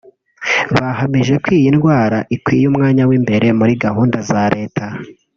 bahamije ko iyi ndwara ikwiye umwanya w’imbere muri gahunda za leta